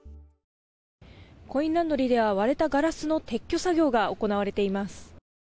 コインランドリーでは割れたガラスの撤去作業が行われています。